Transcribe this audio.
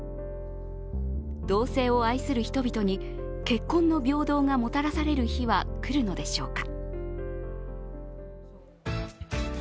同性を愛する人々に結婚の平等がもたらされる日は来るのでしょうか。